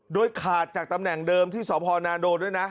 โดยขาดจากตำแหน่งเดิมที่สพนาโดนด้วยนะ